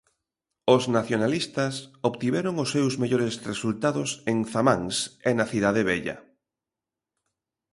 Os nacionalistas obtiveron os seus mellores resultados en Zamáns e na Cidade Vella.